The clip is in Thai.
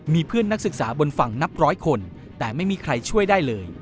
มีเพื่อนนักศึกษาบนฝั่งนับร้อยคนแต่ไม่มีใครช่วยได้เลย